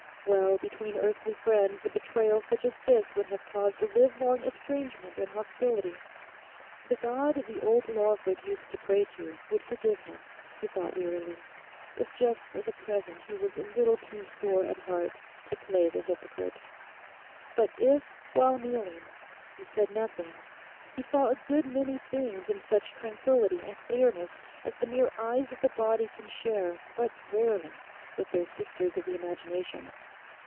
Well, between earthly friends a betrayal such as this would have caused a livelong estrangement and hostility. The God the old Lawford used to pray to would forgive him, he thought wearily, if just for the present he was a little too sore at heart to play the hypocrite. But if, while kneeling, he said nothing, he saw a good many things in such tranquillity and clearness as the mere eyes of the body can share but rarely with their sisters of the imagination.